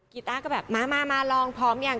กีต้าก็แบบมาลองพร้อมอย่าง